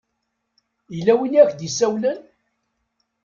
Yella win i ak-d-isawlen?